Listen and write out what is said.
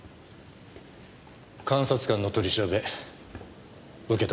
監察官の取り調べ受けたんだろ？